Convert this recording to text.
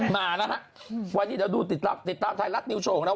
มาแล้วฮะวันนี้เดี๋ยวดูติดตามไทยรัฐนิวโชว์ของเรา